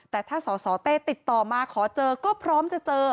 แต่ถ้าสสเต้ติดต่อมาขอเจอก็พร้อมจะเจอ